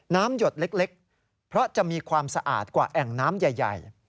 หยดเล็กเพราะจะมีความสะอาดกว่าแอ่งน้ำใหญ่